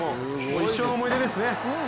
一生の思い出ですね。